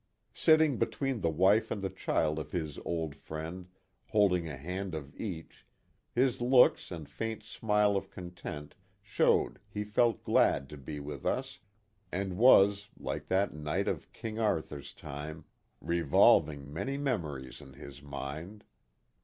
Sitting between the wife and the child of his old friend, holding a hand of each, his looks and faint smile of content showed he felt glad to be with us, and was, like that knight of King Arthur's time, " Revolving many memories in his mind."